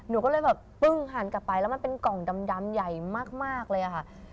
หนูก็เลยแบบปึ้งหันกลับไปแล้วมันเป็นกล่องดำใหญ่มากเลยค่ะ